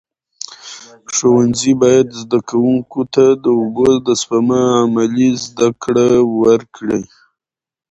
ښوونځي باید زده کوونکو ته د اوبو د سپما عملي زده کړه ورکړي.